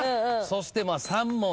そして３も。